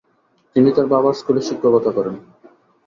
তিনি তার বাবার স্কুলে শিক্ষকতা করেন।